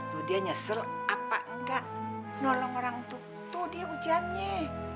tuh dia nyesel apa engga nolong orangtutu dia ujiannya